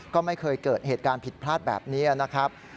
ก็ไม่เคยเกิดเหตุการณ์ผิดพลาดแบบนี้นะครับ